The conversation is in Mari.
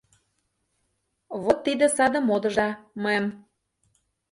Вот тиде саде модышда, мэм.